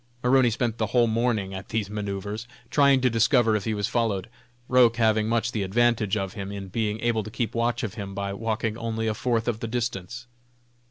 Maroney spent the whole morning at these manoeuvres, trying to discover if he was followed, Roch having much the advantage of him, in being able to keep watch of him by walking only a fourth of the distance.